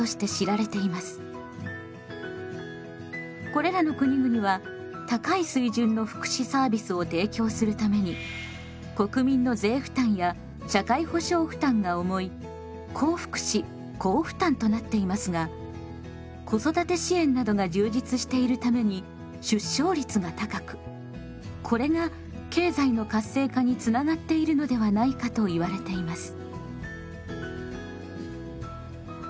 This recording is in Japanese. これらの国々は高い水準の福祉サービスを提供するために国民の税負担や社会保障負担が重い高福祉・高負担となっていますが子育て支援などが充実しているために出生率が高くこれが経済の活性化につながっているのではないかと言われています。